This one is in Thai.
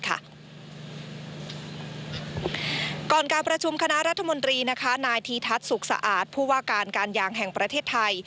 ก่อนการประชุมคณะรัฐมนตรีนายธีทัศน์สุขสะอาดผู้ว่าการการยางแห่งประเทศไทย